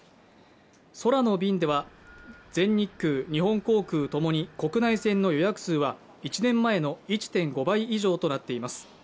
空の便では、全日空、日本航空共に国内線の予約数は１年前の１．５倍以上となっています。